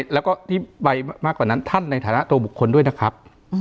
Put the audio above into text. แล้วก็ที่ไปมากกว่านั้นท่านในฐานะตัวบุคคลด้วยนะครับ